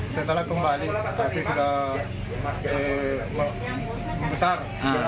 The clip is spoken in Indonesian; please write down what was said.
saya telah kembali tapi sudah besar